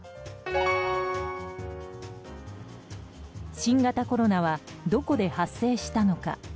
新型コロナはどこで発生したのか。